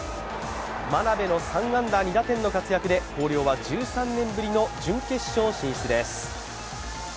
真鍋の３安打２打点の活躍で広陵は１３年ぶりの準決勝進出です。